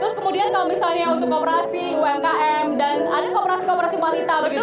terus kemudian kalau misalnya untuk kooperasi umkm dan ada kooperasi kooperasi wanita begitu